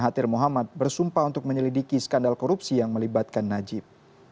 mahathir muhammad bersumpah untuk menyelidiki skandal korupsi yang melibatkan najib